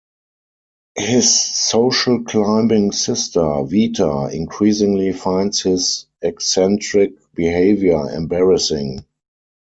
His social-climbing sister, Veta, increasingly finds his eccentric behavior embarrassing.